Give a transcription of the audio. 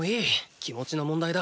気持ちの問題だ。